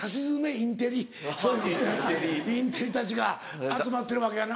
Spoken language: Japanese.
インテリたちが集まってるわけやな。